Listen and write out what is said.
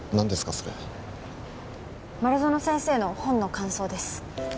それ丸園先生の本の感想です